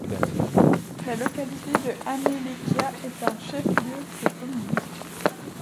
La localité de Amélékia est un chef-lieu de commune.